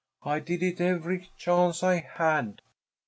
I did it every chance I had."